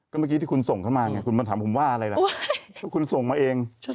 ฉันส่งอะไรให้เธอ